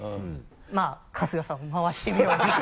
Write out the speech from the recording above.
まぁ春日さんを回してみようという。